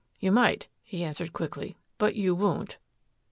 "You might," he answered quickly, "but you won't."